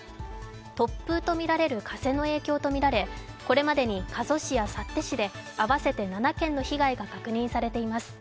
突風とみられる風の影響とみられ、これまでに加須市や幸手市で合わせて７件の被害が確認されています。